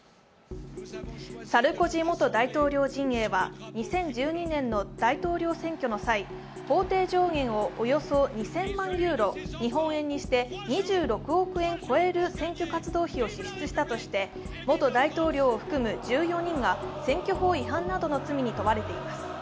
サルコジ元大統領陣営は２０１２年の大統領選挙の際、法定上限をおよそ２０００万ユーロ、日本円にして２６億円超える選挙活動費を支出したとして、元大統領を含む１４人が選挙法違反などの罪に問われています。